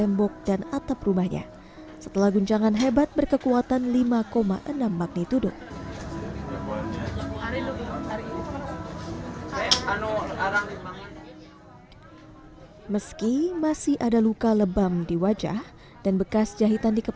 mereka juga berusaha bertahan hidup